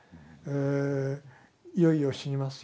いよいよ死にますよ